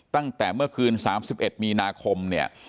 ตั้งแต่เมื่อคืน๓๑มีนาคมเนี่ย